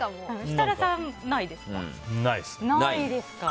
設楽さん、ないですか？